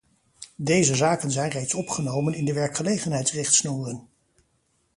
Deze zaken zijn reeds opgenomen in de werkgelegenheidsrichtsnoeren.